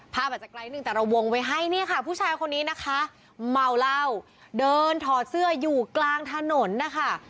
อาจจะไกลหนึ่งแต่เราวงไว้ให้เนี่ยค่ะผู้ชายคนนี้นะคะเมาเหล้าเดินถอดเสื้ออยู่กลางถนนนะคะ